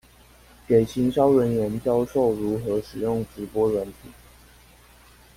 給行銷人員教授如何使用直播軟體